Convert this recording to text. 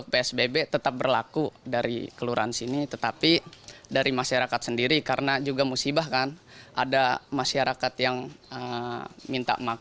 pemprov dki jakarta